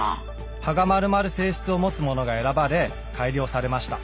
葉が丸まる性質を持つものが選ばれ改良されました。